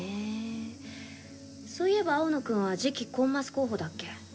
そういえば青野くんは次期コンマス候補だっけ。